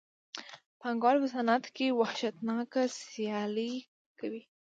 پانګوال په صنعت کې وحشیانه سیالي کوي